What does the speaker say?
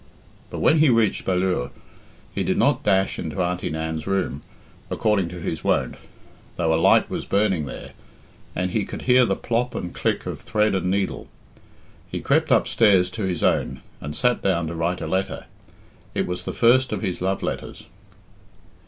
But when he reached Ballure he did not dash into Auntie Nan's room, according to his wont, though a light was burning there, and he could hear the plop and click of thread and needle; he crept upstairs to his own, and sat down to write a letter. It was the first of his love letters.